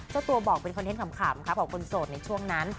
เจ้าตัวบอกเป็นคอนเทนต์ขำค่ะของคนโสดในช่วงนั้น